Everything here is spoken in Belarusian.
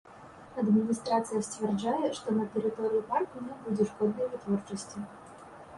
Адміністрацыя сцвярджае, што на тэрыторыі парку не будзе шкоднай вытворчасці.